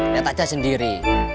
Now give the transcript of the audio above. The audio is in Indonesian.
lihat aja sendiri